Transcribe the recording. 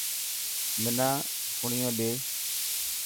منا فيڻو ڏي.